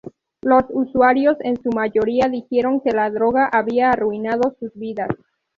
Los usuarios en su mayoría dijeron que la droga había arruinado sus vidas.